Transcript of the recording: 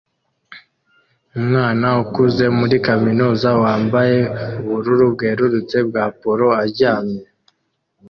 Umwana ukuze muri kaminuza wambaye ubururu bwerurutse bwa polo aryamye